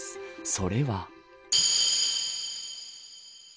それは。